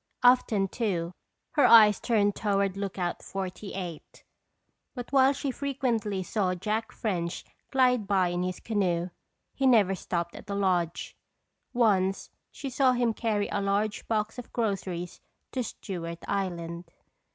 Often too, her eyes turned toward Lookout 48 but while she frequently saw Jack French glide by in his canoe he never stopped at the lodge. Once she saw him carry a large box of groceries to Stewart Island.